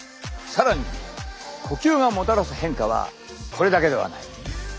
更に呼吸がもたらす変化はこれだけではない。